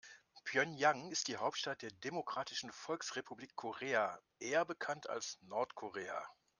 Pjöngjang ist die Hauptstadt der Demokratischen Volksrepublik Korea, eher bekannt als Nordkorea.